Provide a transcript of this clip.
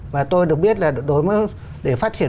và tôi được biết là để phát triển